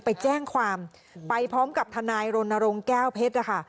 ไปแจ้งความไปพร้อมกับทนายรณรงค์แก้วเพชรนะคะ